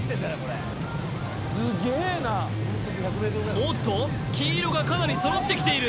おっと黄色がかなり揃ってきている！